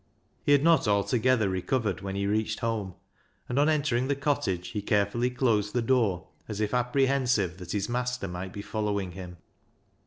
He had not altogether recovered when he reached home, and on entering the cottage he carefully closed the door as if apprehensive that his master might be following him.